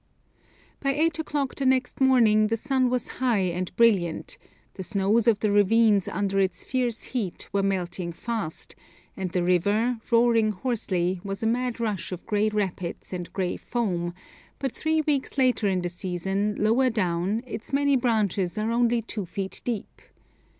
By eight o'clock the next morning the sun was high and brilliant, the snows of the ravines under its fierce heat were melting fast, and the river, roaring hoarsely, was a mad rush of grey rapids and grey foam; but three weeks later in the season, lower down, its many branches are only two feet deep.